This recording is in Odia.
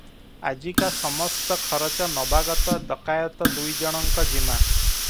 ଆଜିକା ସମସ୍ତ ଖରଚ ନବାଗତ ଡକାଏତ ଦୁଇଜଣଙ୍କ ଜିମା ।